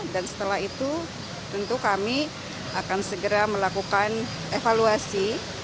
dan setelah itu tentu kami akan segera melakukan evaluasi